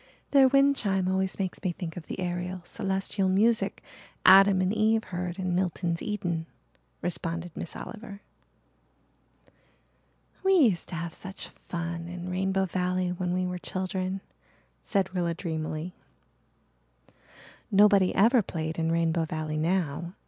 "Their wind chime always makes me think of the aerial, celestial music Adam and Eve heard in Milton's Eden," responded Miss Oliver. "We used to have such fun in Rainbow Valley when we were children," said Rilla dreamily. Nobody ever played in Rainbow Valley now.